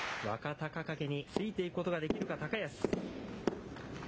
若隆景についていくことができるか、高安。